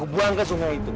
itu ada dzikirnya together